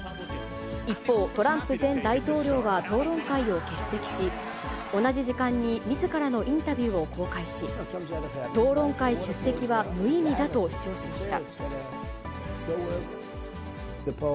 一方、トランプ前大統領は討論会を欠席し、同じ時間にみずからのインタビューを公開し、討論会出席は無意味だと主張しました。